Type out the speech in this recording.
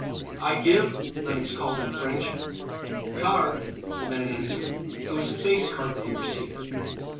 "I give," Lenox called in French. "Card," the man answered. It was a face card that he received.